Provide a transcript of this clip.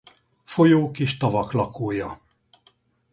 Folyók és tavak lakója.